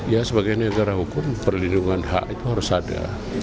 ya sebagai negara hukum perlindungan hak itu harus ada